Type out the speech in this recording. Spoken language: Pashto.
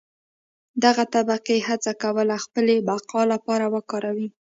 دغه طبقې هڅه کوله خپلې بقا لپاره وکاروي.